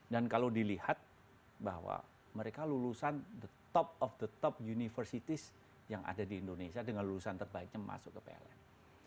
dan kalau dilihat bahwa mereka lulusan the top of the top universities yang ada di indonesia dengan lulusan terbaiknya masuk ke pln